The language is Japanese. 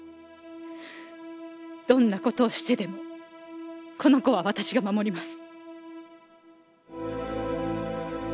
どんな事をしてでもこの子は私が守ります。